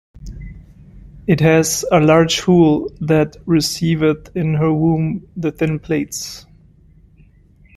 It has "a large hool, that resceiveth in hir wombe the thin plates".